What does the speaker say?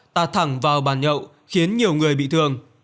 ta thẳng vào bàn nhậu khiến nhiều người bị thương